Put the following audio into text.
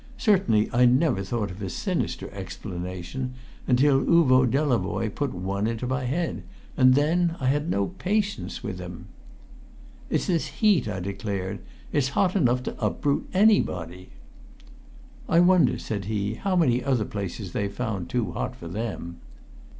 Certainly I never thought of a sinister explanation until Uvo Delavoye put one into my head, and then I had no patience with him. "It's this heat," I declared; "it's hot enough to uproot anybody." "I wonder," said he, "how many other places they've found too hot for them!"